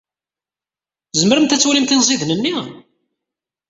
Tzemremt ad twalimt inẓiden-nni?